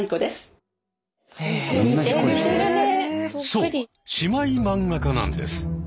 そう姉妹漫画家なんです。